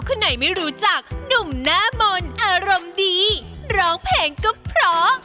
คนไหนไม่รู้จักหนุ่มหน้ามนต์อารมณ์ดีร้องเพลงก็เพราะ